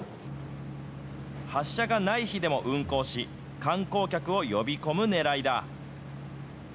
発射がない日でも運航し、観光客を呼び込むねらいだ。